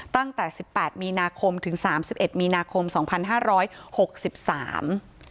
ตั้งแต่สิบแปดมีนาคมถึงสามสิบเอ็ดมีนาคมสองพันห้าร้อยหกสิบสาม